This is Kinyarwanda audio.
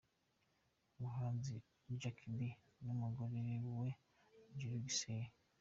Umuhanzi Jack B n’umugore we Juru Gisele.